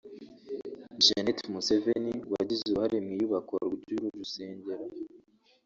Janet Museveni Wagize uruhare mu iyubakwa ry’uru rusengero